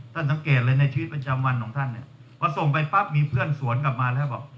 สังเกตเลยในชีวิตประจำวันของท่านเนี่ยพอส่งไปปั๊บมีเพื่อนสวนกลับมาแล้วบอก